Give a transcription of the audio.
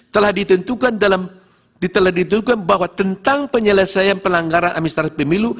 telah ditentukan dalam ditelah didukung bahwa tentang penyelesaian pelanggaran administrasi